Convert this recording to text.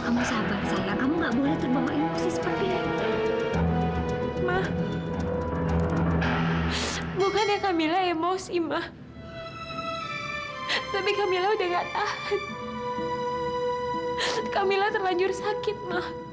kamilah terlanjur sakit ma